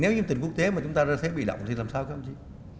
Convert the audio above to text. nếu như tình quốc tế chúng ta ra thế bị đậm thì làm sao làm gì